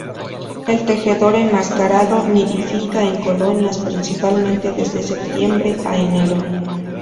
El tejedor enmascarado nidifica en colonias, principalmente desde septiembre a enero.